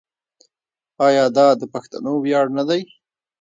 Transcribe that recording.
آیا دا د پښتنو ویاړ نه دی؟